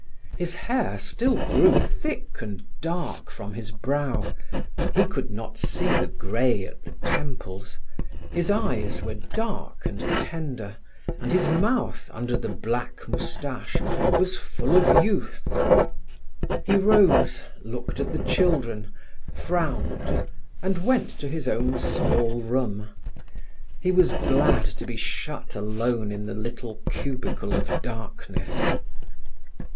His hair still grew thick and dark from his brow: he could not see the grey at the temples. His eyes were dark and tender, and his mouth, under the black moustache, was full of youth. He rose, looked at the children, frowned, and went to his own small room. He was glad to be shut alone in the little cubicle of darkness.